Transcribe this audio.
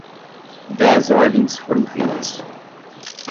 Dez ordens foram feitas.